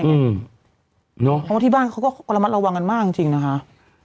เพราะว่าที่บ้านเขาก็ระมัดระวังกันมากจริงจริงนะคะ